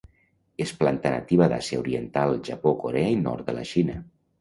És planta nativa d'Àsia oriental Japó, Corea i nord de la Xina.